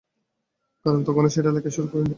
কারণ তখনো সেটা লেখাই শুরু করিনি।